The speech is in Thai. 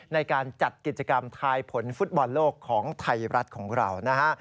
ในการจัดกิจกรรมทายผลฟุตบอลโลกของไทยรัฐของเรานะฮะ